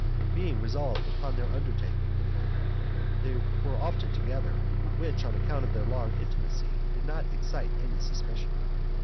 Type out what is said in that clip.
Being resolved upon their undertaking, they were often together, which, on account of their long intimacy, did not excite any suspicion.